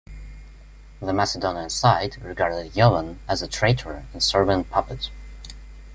The Macedonian side regarded Jovan as a traitor and Serbian puppet.